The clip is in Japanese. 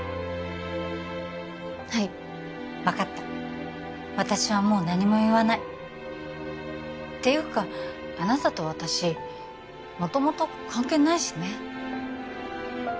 はい分かった私はもう何も言わないていうかあなたと私元々関係ないしね